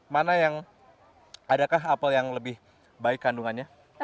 mana yang adakah apel yang lebih baik kandungannya